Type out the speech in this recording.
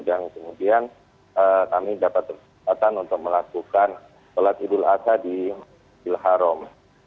dan kemudian kami dapat kesempatan untuk melakukan sholat idul asa di masjidil haram